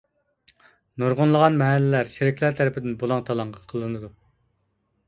نۇرغۇنلىغان مەھەللىلەر چېرىكلەر تەرىپىدىن بۇلاڭ-تالاڭ قىلىنىدۇ.